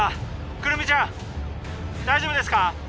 胡桃ちゃん大丈夫ですか？